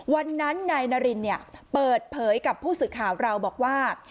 วันนั้นนายนารินเปิดเผยกับผู้สื่อข่าวเราบอกว่า